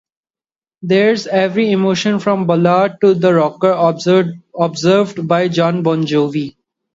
"There's every emotion from the ballad to the rocker," observed Jon Bon Jovi.